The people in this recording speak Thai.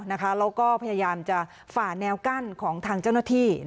แล้วก็พยายามจะฝ่าแนวกั้นของทางเจ้าหน้าที่